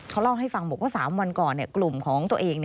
เขาเล่าให้ฟังบอกว่า๓วันก่อนกลุ่มของตัวเอง